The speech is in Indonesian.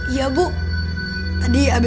iya itu dia